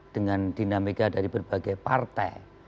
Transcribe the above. dengan dinamika dari berbagai partai